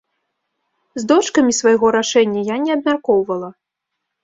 З дочкамі свайго рашэння я не абмяркоўвала.